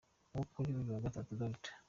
Ubwo kuri uyu wa Gatatu Dr.